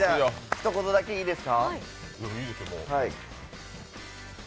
ひと言だけいいですか。